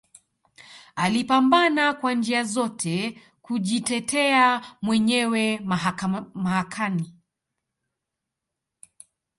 Alipambana kwa njia zote kujitetea mwenyewe mahakani